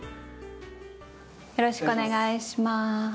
よろしくお願いします。